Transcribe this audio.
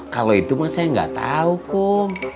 kalau itu mas saya gak tahu kum